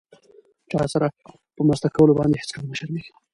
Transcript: چاسره په مرسته کولو باندې هيڅکله مه شرميږم!